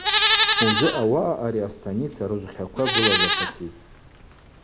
Ужвы ауаъа ари астаница рыжвхьаква гылазапытитӏ.